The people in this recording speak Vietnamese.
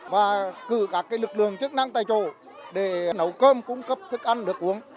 và cử các lực lượng chức năng tài trổ để nấu cơm cung cấp thức ăn nước uống